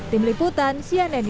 tim liputan sian nenik